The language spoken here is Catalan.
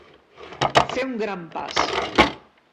Fer un gran pas.